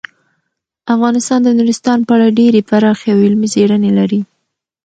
افغانستان د نورستان په اړه ډیرې پراخې او علمي څېړنې لري.